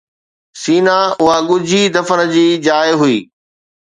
سينه، اها ڳجهي دفن جي جاءِ هئي